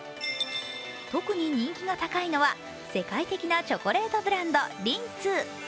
特に人気が高いのは世界的なチョコレートブランドリンツ。